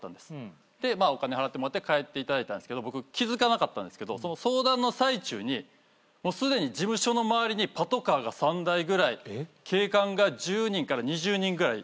でまあお金払ってもらって帰っていただいたんですけど僕気付かなかったんですけどその相談の最中にもうすでに事務所の周りにパトカーが３台ぐらい警官が１０人から２０人ぐらい取り囲んでたんです。